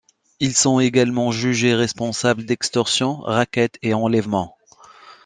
Ils sont également jugés responsables d'extorsions, rackets et enlèvements.